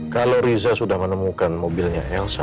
kalau riza sudah menemukan mobilnya elsa